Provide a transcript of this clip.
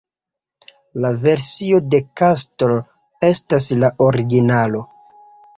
La versio de Castle estas la originalo.